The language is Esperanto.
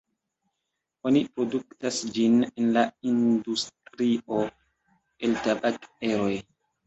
Oni produktas ĝin en la industrio el tabak-eroj.